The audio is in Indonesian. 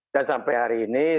dan sampai hari ini